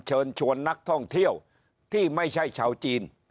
เชิญชวนนักท่องเที่ยวที่ไม่ใช่ชาวจีน